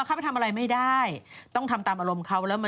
ก็มาทำอะไรไม่ได้ต้องทำตามอารมณ์เค้า